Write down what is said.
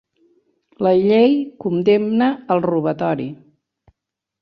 La llei condemna el robatori.